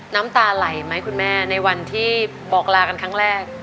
น้ำตาไหลไหมคุณแม่ในวันที่บอกลากันครั้งแรก